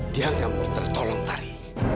dia nggak mungkin tertolong tadi